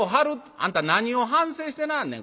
「あんた何を反省してなはんねん